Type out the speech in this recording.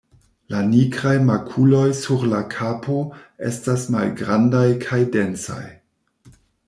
La nigraj makuloj sur la kapo estas malgrandaj kaj densaj.